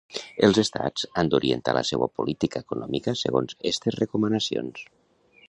Els Estats han d'orientar la seua política econòmica segons estes recomanacions.